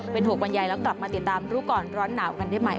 เป็น๖บรรยายแล้วกลับมาติดตามรู้ก่อนร้อนหนาวกันได้ใหม่